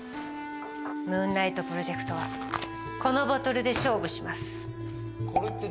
ムーンナイトプロジェクトはこのボトルで勝負します。